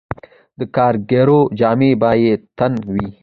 د کاریګرو جامې به یې تن وې